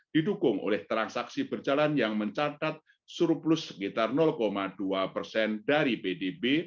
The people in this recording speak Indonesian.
didukung oleh transaksi berjalan yang mencatat surplus sekitar dua persen dari pdb